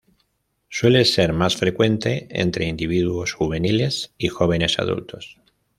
Suele ser más frecuente entre individuos juveniles y jóvenes adultos.